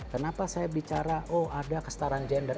kenapa saya bicara oh ada kestaraan gender